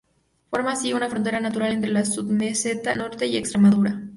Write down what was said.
Forma así, una frontera natural entre la Submeseta norte y Extremadura.